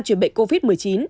truyền bệnh covid một mươi chín